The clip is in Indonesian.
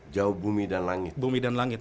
jauh bumi dan langit